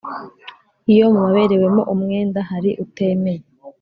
Iyo mu baberewemo umwenda hari utemeye